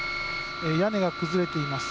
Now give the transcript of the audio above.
屋根が崩れています。